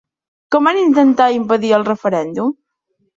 Com van intentar impedir el referèndum?